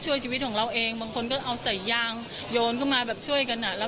พูดสิทธิ์ข่าวธรรมดาทีวีรายงานสดจากโรงพยาบาลพระนครศรีอยุธยาครับ